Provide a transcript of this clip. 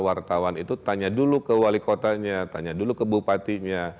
wartawan itu tanya dulu ke wali kotanya tanya dulu ke bupatinya